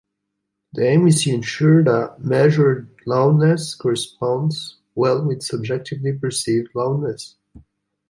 The aim is to ensure that measured loudness corresponds well with subjectively perceived loudness.